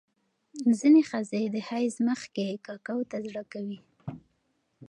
ځینې ښځې د حیض مخکې ککو ته زړه کوي.